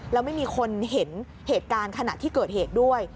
แล้วไม่มีคนเห็นเหตุการณ์ขณะที่เกิดเหตุด้วย